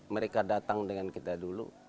mereka datang dengan kita dulu